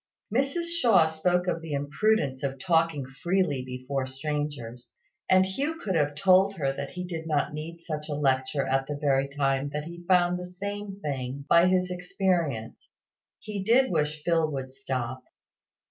Mrs Shaw spoke of the imprudence of talking freely before strangers; and Hugh could have told her that he did not need such a lecture at the very time that he found the same thing by his experience. He did wish Phil would stop.